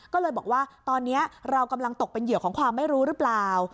ก็เลยบอกว่าตอนนี้เรากำลังตกเป็นเหยื่อของความไม่รู้หรือเปล่า